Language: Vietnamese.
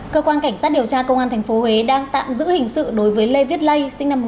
cơ quan cảnh sát điều tra công an tp huế đang tạm giữ hình sự đối với lê viết lây